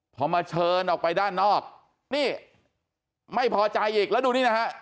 พอมาเชิญออกไปด้านนอกนี่ไม่พอใจอีกแล้วดูนี่นะฮะ